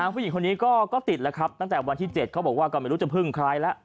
ผู้หญิงคนนี้ก็ติดแล้วครับตั้งแต่วันที่๗เขาบอกว่าก็ไม่รู้จะพึ่งใครแล้ว